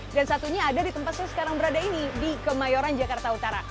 dan satunya ada di tempat saya sekarang berada ini di kemayoran jakarta utara